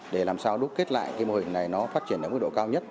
để làm sao đúc kết lại cái mô hình này nó phát triển ở mức độ cao nhất